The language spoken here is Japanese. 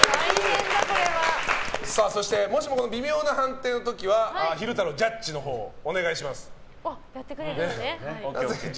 もしも微妙な判定の時は昼太郎、ジャッジのほうをお願いします。